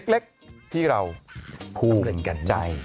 เล็กที่เราพูดใจ